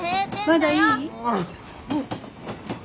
まだいい？